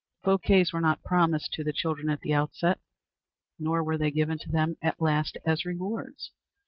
The bouquets were not promised to the children at the outset, nor were they given to them at last as rewards.